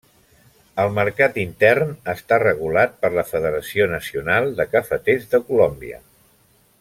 El mercat intern està regulat per la Federació Nacional de Cafeters de Colòmbia.